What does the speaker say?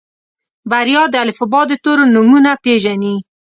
بريا د الفبا د تورو نومونه پېژني.